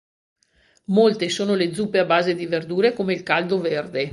Molte sono le zuppe a base di verdure, come il "Caldo verde".